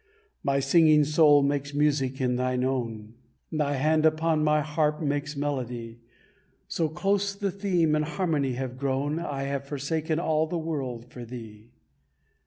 My singing soul makes music in thine own, Thy hand upon my harp makes melody; So close the theme and harmony have grown I have forsaken all the world for thee.